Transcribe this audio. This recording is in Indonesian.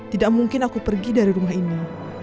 tidak mungkin aku pergi dari rumah ini